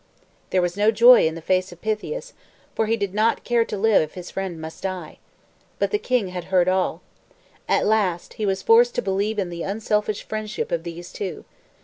There was no joy in the face of Pythias, for he did not care to live if his friend must die. But the king had heard all. At last he was forced to believe in the unselfish friendship of these two.